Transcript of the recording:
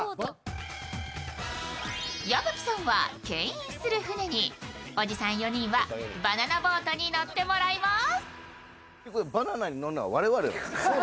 矢吹さんはけん引する船に、おじさん４人はバナナボートに乗ってもらいます。